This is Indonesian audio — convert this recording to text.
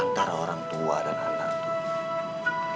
antara orang tua dan anak tuh